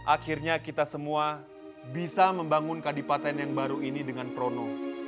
akhirnya kita semua bisa membangun kadipaten yang baru ini dengan prono